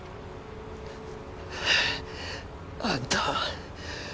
あんたは